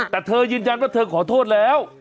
แต่เธอยืนยันว่าเธอขอโทษแล้ว